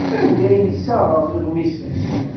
Anda ay d-ssaɣeɣ iɣmisen?